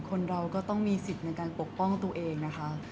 คนเราก็ต้องมีสิทธิ์ในการปกป้องตัวเองนะคะ